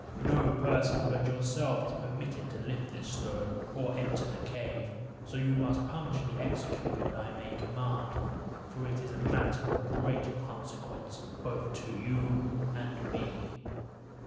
No person but yourself is permitted to lift this stone, or enter the cave; so you must punctually execute what I may command, for it is a matter of great consequence both to you and me."